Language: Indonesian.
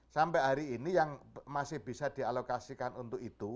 sampai hari ini yang masih bisa dialokasikan untuk itu